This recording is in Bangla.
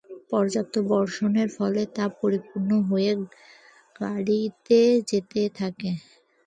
পর্যাপ্ত বর্ষণের ফলে তা পরিপূর্ণ হয়ে গড়িয়ে যেতে থাকে।